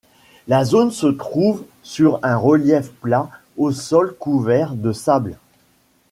La zone se trouve sur un relief plat au sol couvert de sable.